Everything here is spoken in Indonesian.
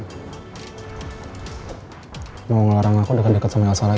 lo mau ngelarang aku deket deket sama yasa lagi